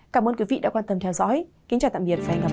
cảm ơn quý vị đã quan tâm theo dõi kính chào tạm biệt và hẹn gặp lại